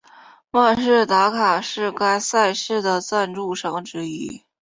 万事达卡是该赛事的赞助商之一。